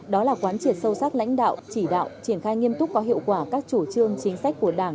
đó là quán triệt sâu sắc lãnh đạo chỉ đạo triển khai nghiêm túc có hiệu quả các chủ trương chính sách của đảng